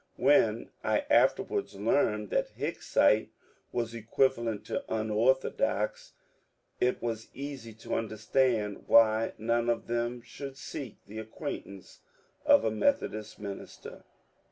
When I afterwards learned that ^^ Hicksite " was equivalent to ^^ unorthodox," it was easy to understand why none of them should seek the acquaintance of a Methodist minister.